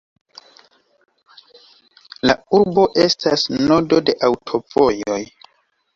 La urbo estas nodo de aŭtovojoj.